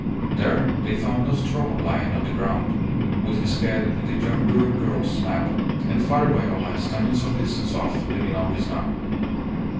There they found Nostromo lying on the ground with his head in the younger girl's lap, and father Viola standing some distance off leaning on his gun.